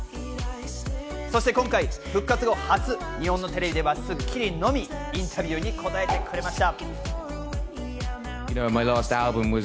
今回、復活後初、日本のテレビでは『スッキリ』のみインタビューに応えてくれました。